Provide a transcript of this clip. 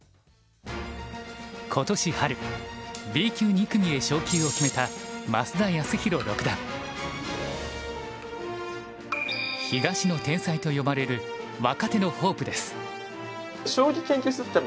今年春Ｂ級２組へ昇級を決めた増田康宏六段。と呼ばれる若手のホープです。